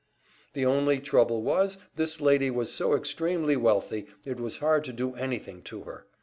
The only trouble was this lady was so extremely wealthy it was hard to do anything to her.